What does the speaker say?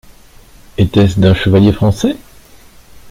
Etait-ce d’un chevalier français ?